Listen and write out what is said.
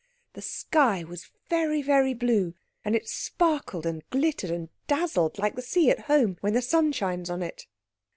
The sky was very, very blue, and it sparkled and glittered and dazzled like the sea at home when the sun shines on it.